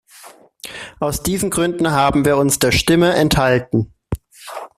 Aus diesen Gründen haben wir uns der Stimme enthalten.